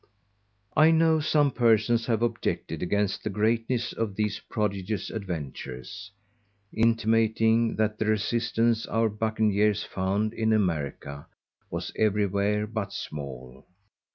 _ _I know some persons have objected against the greatness of these prodigious Adventures, intimating that the resistance our_ Bucaniers found in America, _was everywhere but small.